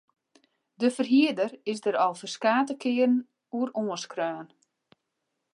De ferhierder is der al ferskate kearen oer oanskreaun.